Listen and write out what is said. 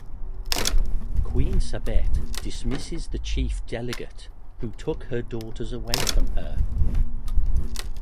Queen Sabet dismisses the chief delegate who took her daughters away from her.